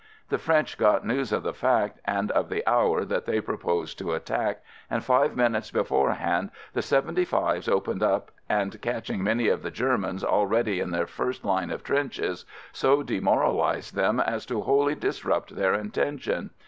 The French got news of the fact and of the hour that they proposed to attack, and five minutes beforehand the " 75 's " opened up and catching many of the Germans already in their first line of trenches so demoralized them as to wholly disrupt their intention.